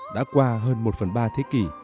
đã qua hơn một phần ba thế kỷ